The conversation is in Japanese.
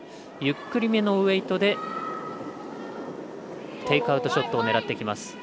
ゆっくりめのウエイトでテイクアウトショットを狙っていきます。